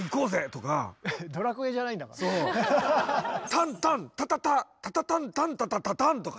「タンタンタタタタタタンタンタタタターン」とか。